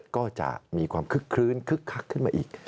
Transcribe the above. ก็จะมีความคึกคลื้นคึกคักขึ้นมาอีก